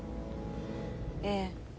ええ。